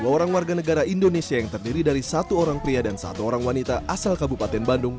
dua orang warga negara indonesia yang terdiri dari satu orang pria dan satu orang wanita asal kabupaten bandung